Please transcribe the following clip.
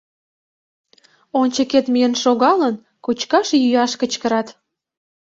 Ончыкет миен шогалын, кочкаш-йӱаш кычкырат.